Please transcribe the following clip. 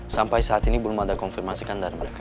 sampai saat ini belum ada konfirmasi kandar mereka